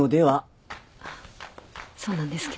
あっそうなんですけど。